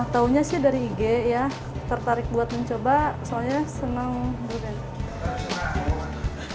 tahunya sih dari ig ya tertarik buat mencoba soalnya senang berada di instagram